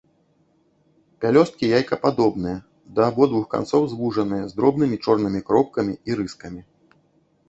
Пялёсткі яйкападобныя, да абодвух канцоў звужаныя, з дробнымі чорнымі кропкамі і рыскамі.